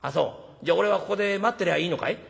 じゃあ俺はここで待ってりゃいいのかい？」。